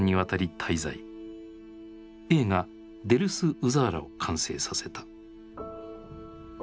映画「デルス・ウザーラ」を完成させた。